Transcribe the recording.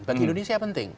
bagi indonesia penting